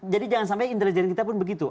jadi jangan sampai intelijen kita pun begitu